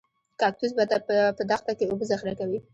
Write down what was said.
کاکتوس په دښته کې اوبه ذخیره کوي